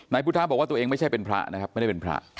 พุทธะบอกว่าตัวเองไม่ใช่เป็นพระนะครับไม่ได้เป็นพระ